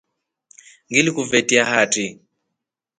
Ngilekuvetia hatri.